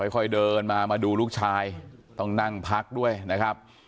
ค่อยเดินมามาดูลูกชายต้องนั่งพักด้วยนะครับ